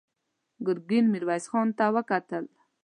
ګرګين ميرويس خان ته وکتل.